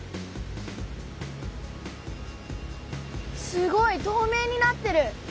すごいとうめいになってる！